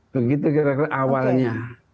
begitu kira kira awalnya